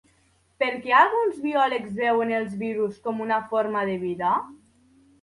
Per què alguns biòlegs veuen els virus com una forma de vida?